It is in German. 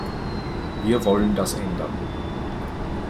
Wir wollen das ändern.